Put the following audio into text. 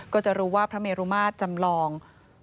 ก็จะรู้ว่าพระเมรุมาตรจำลอง